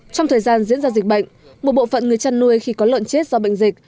trong thời gian diễn ra dịch bệnh một bộ phận người chăn nuôi khi có lợn chết do bệnh dịch